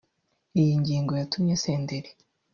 Iyi ngingo yatumye Senderi